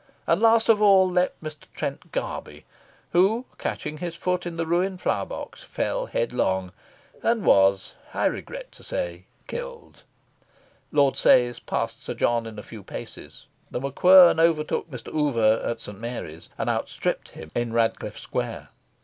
And last of all leapt Mr. Trent Garby, who, catching his foot in the ruined flower box, fell headlong, and was, I regret to say, killed. Lord Sayes passed Sir John in a few paces. The MacQuern overtook Mr. Oover at St. Mary's and outstripped him in Radcliffe Square.